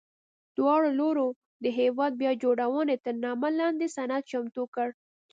دواړو لورو د هېواد بیا جوړونې تر نامه لاندې سند چمتو کړ.